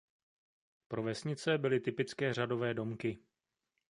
Pro vesnice byly typické řadové domky.